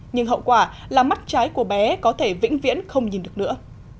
nhưng hậu quả là mắt trái của bé có thể vĩnh viễn không nhìn được nữa